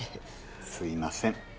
すいません。